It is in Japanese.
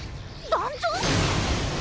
団長？